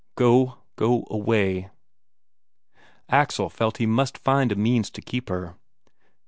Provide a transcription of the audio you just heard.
Go, go away ... Axel felt he must find a means to keep her.